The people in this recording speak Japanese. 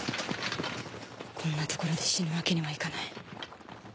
こんな所で死ぬわけにはいかない。